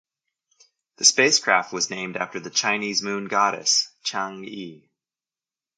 The spacecraft was named after the Chinese Moon goddess, Chang'e.